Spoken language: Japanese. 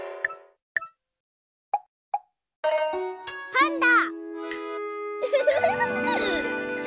パンダ！